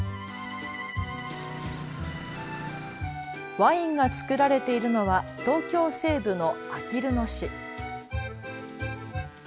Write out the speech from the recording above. ワインが造られているのは東京西部のあきる野市。